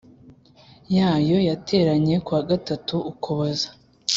yayo yateranye ku wa gatatu Ukuboza